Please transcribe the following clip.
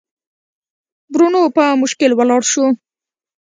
برونو په مشکل ولاړ شو.